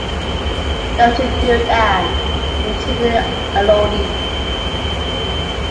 “Don’t you do it, Anne,” entreated Elodie.